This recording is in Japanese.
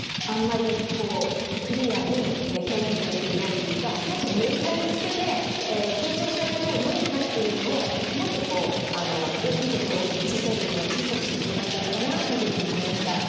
あんまりこうクリアに表現されていないというかもうちょっとメリハリをつけて強調したい事は何かっていうのをもっとこう大きいところは大きく小さいところは小さくしてもよかったのかなという部分がありました。